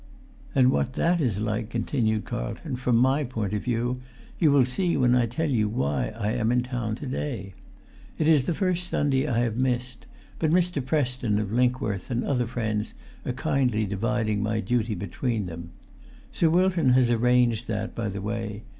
[Pg 370]"And what that is like," continued Carlton, "from my point of view, you will see when I tell you why I am in town to day. It is the first Sunday I have missed; but Mr. Preston of Linkworth and other friends are kindly dividing my duty between them. Sir Wilton has arranged that, by the way.